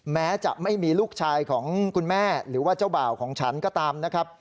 แม้จะไม่มีลูกชายของคุณแม่หรือว่าเจ้าบ่าวของฉันก็ตามนะครับ